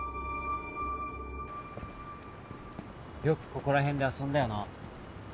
よくここら辺で遊んだよな。